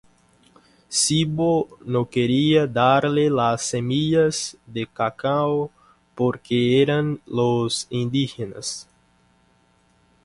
Sibö no quería darle las semillas de cacao porque eran los indígenas.